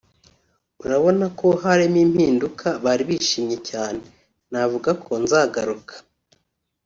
urabona ko harimo impinduka bari bishimye cyane […] Navuga ko nzagaruka